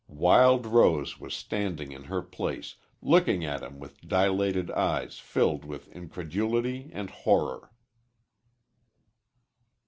Wild Rose was standing in her place looking at him with dilated eyes filled with incredulity and horror.